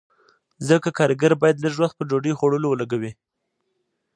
ځکه کارګر باید لږ وخت په ډوډۍ خوړلو ولګوي